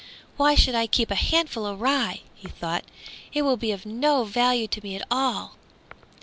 "Why should I keep a handful of rye?" he thought, "It will be of no value to me at all."